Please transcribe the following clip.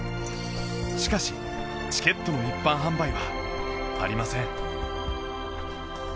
しかし、チケットの一般販売はありません。